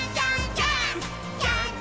ジャンプ！！」